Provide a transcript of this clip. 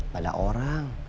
gak ada orang